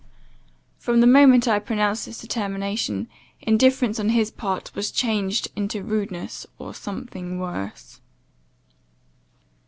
"From the moment I pronounced this determination, indifference on his part was changed into rudeness, or something worse.